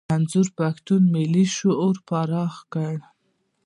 منظور پښتون ملي شعور پراخ کړ.